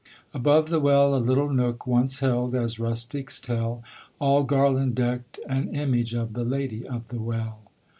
Above the well a little nook Once held, as rustics tell, All garland decked, an image of The Lady of the Well.